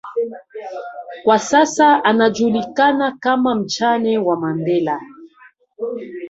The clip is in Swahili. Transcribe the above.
kwa sasa anajulikana kama mjane wa Mandela